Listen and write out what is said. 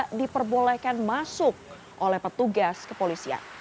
tidak diperbolehkan masuk oleh petugas kepolisian